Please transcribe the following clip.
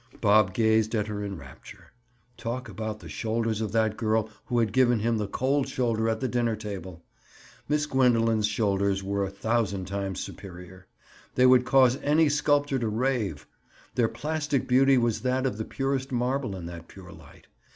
Bob gazed at her in rapture. Talk about the shoulders of that girl who had given him the cold shoulder at the dinner table!—Miss Gwendoline's shoulders were a thousand times superior; they would cause any sculptor to rave. Their plastic beauty was that of the purest marble in that pure light.